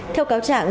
theo cáo trạng